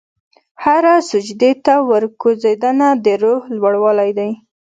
هره سجدې ته ورکوځېدنه، د روح لوړوالی دی.